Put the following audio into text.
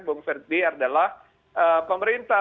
bung ferdi adalah pemerintah